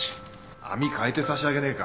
網かえて差し上げねえか